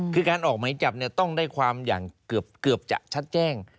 คือการออกหมายจับต้องได้ความอย่างเกือบจะชัดแจ้ง